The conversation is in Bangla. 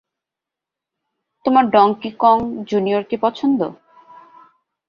তোমার ডংকি কং জুনিয়রকে পছন্দ?